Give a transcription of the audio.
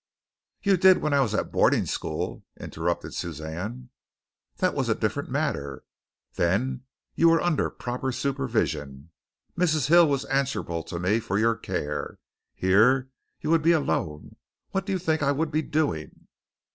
"You did when I was at boarding school," interrupted Suzanne. "That was a different matter. Then you were under proper supervision. Mrs. Hill was answerable to me for your care. Here you would be alone. What do you think I would be doing?"